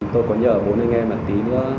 tôi có nhớ bốn anh em một tí nữa